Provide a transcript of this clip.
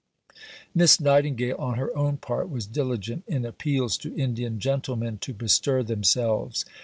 Miss Nightingale, on her own part, was diligent in appeals to Indian gentlemen to bestir themselves.